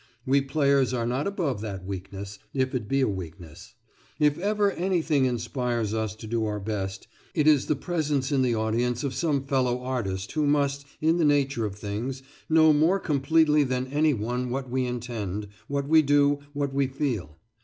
We players are not above that weakness, if it be a weakness. If ever anything inspires us to do our best, it is the presence in the audience of some fellow artist who must, in the nature of things, know more completely than any one what we intend, what we do, what we feel.